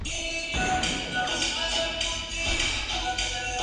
Con una humedad relativa baja, la humedad consta principalmente de agua absorbida.